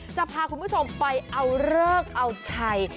จะพาคุณผู้ชมไปเอาเลิกเอาชัย